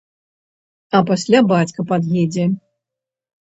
А пасля бацька пад'едзе.